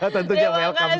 tentunya welcome sekali